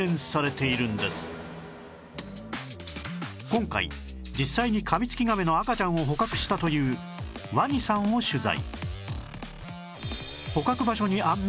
今回実際にカミツキガメの赤ちゃんを捕獲したという鰐さんを取材